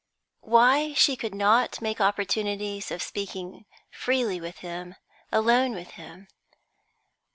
Why could she not make opportunities of speaking freely with him, alone with him?